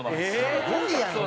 すごいやんけ！